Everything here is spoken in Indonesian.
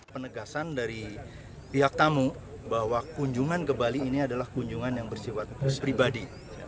penegasan dari pihak tamu bahwa kunjungan ke bali ini adalah kunjungan yang bersifat pribadi